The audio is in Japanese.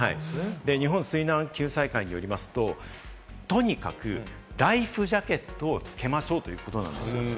日本水難救済会によりますと、とにかくライフジャケットを着けましょうということなんです。